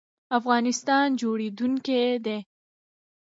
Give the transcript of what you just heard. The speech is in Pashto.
افغانستان جوړیدونکی دی